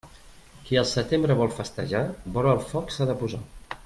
Qui al desembre vol festejar, vora el foc s'ha de posar.